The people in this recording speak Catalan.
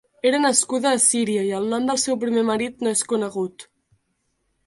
Era nascuda a Síria i el nom del seu primer marit no és conegut.